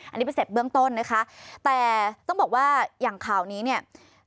อันนี้ไปเสร็จเบื้องต้นนะคะแต่ต้องบอกว่าอย่างข่าวนี้เนี่ย